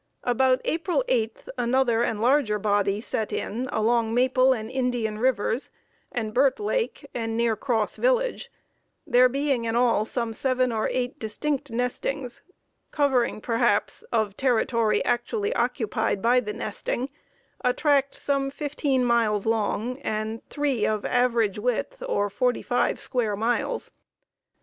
About April 8 another and larger body "set in" along Maple and Indian Rivers, and Burt Lake, and near Cross Village, there being in all some seven or eight distinct nestings, covering perhaps, of territory actually occupied by the nesting, a tract some fifteen miles long and three of average width, or forty five square miles.